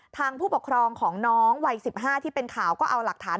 ผู้ปกครองของน้องวัย๑๕ที่เป็นข่าวก็เอาหลักฐาน